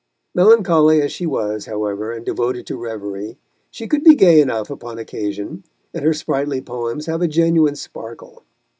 Melancholy as she was, however, and devoted to reverie, she could be gay enough upon occasion, and her sprightly poems have a genuine sparkle.